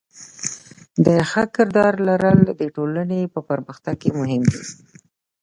د ښه کردار درلودل د ټولنې په پرمختګ کې مهم دی.